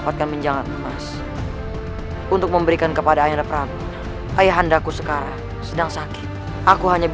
sampai jumpa di video selanjutnya